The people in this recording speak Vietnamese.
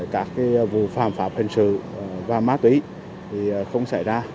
các vụ phạm phạm hình sự và má tùy thì không xảy ra